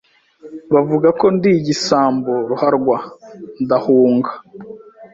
bavuga ko ndi igisambo ruharwa ndahunga